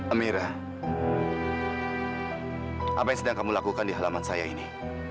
amira apa yang sedang kamu lakukan di halaman saya ini